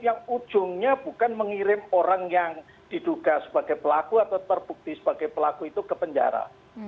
yang ujungnya bukan mengirim orang yang diduga sebagai pelaku atau terbukti sebagai pelaku itu ke penjara